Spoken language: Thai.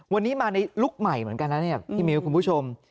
วันนี้มาในลุคใหม่เหมือนกันนะเนี่ยพี่มิ้วคุณผู้ชม